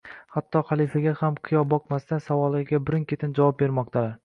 Xatto xalifaga ham qiyo boqmasdan savollarga birin ketin javob bermoqdalar